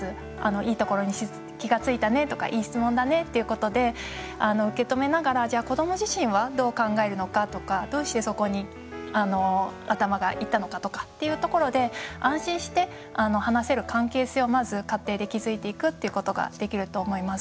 いいところに気が付いたねとかいい質問だねっていうことで受け止めながら、じゃあ子ども自身はどう考えるのかとかどうしてそこに、頭がいったのかとかっていうところで安心して話せる関係性をまず家庭で築いていくっていうことができると思います。